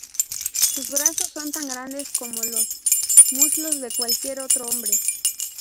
Sus brazos son tan grandes como los muslos de cualquier otro hombre.